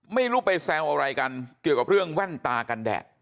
ไม่รู้ไปแซวอะไรกันเกี่ยวกับเรื่องแว่นตากันแดด